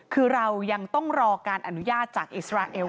คือเรายังต้องรอการอนุญาตจากอิสราเอล